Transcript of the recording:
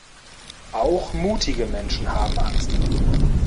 Auch mutige Menschen haben Angst.